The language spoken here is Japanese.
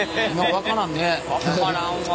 分からんね。